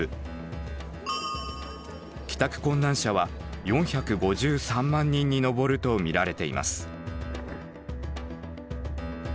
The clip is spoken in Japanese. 帰宅困難者は４５３万人に上ると見られています。